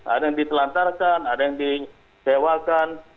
ada yang ditelantarkan ada yang disewakan